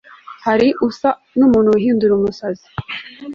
hari usa n'umuntu wihindura umusazi